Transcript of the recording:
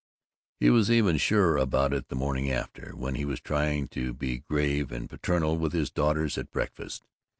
He was even surer about it the morning after, when he was trying to be grave and paternal with his daughters at breakfast.